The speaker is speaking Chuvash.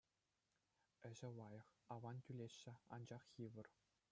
Ĕçĕ лайӑх, аван тӳлеҫҫӗ, анчах йывӑр.